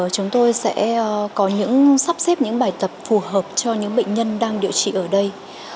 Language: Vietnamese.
chúng tôi sẽ có những sắp xếp những bài tập phù hợp cho những bệnh nhân đang điều trị ở đây